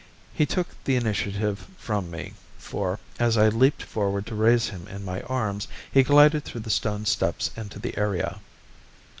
He took the initiative from me, for, as I leaped forward to raise him in my arms, he glided through the stone steps into the area.